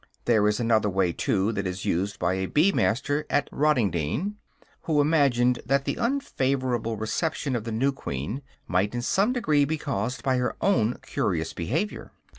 There is another way, too, that is used by a bee master at Rottingdean, who imagined that the unfavorable reception of the new queen might in some degree be caused by her own curious behavior.